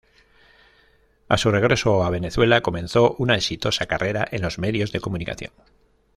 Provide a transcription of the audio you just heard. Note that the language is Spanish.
A su regreso a Venezuela comenzó una exitosa carrera en los medios de comunicación.